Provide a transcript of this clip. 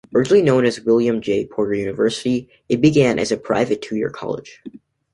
Originally known as William J. Porter University, it began as a private two-year college.